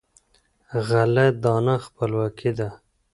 غله دانه خپلواکي ده.